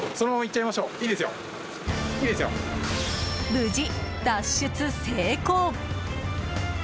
無事、脱出成功！